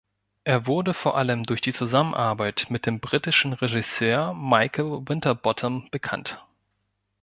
Er wurde vor allem durch die Zusammenarbeit mit dem britischen Regisseur Michael Winterbottom bekannt.